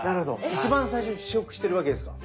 一番最初に試食してるわけですか？